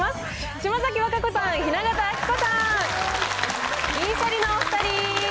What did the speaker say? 島崎和歌子さん、雛形あきこさん、銀シャリのお２人。